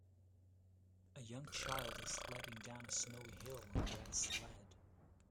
A young child is sledding down a snowy hill on a red sled.